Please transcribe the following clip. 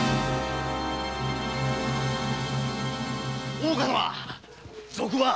大岡様賊は⁉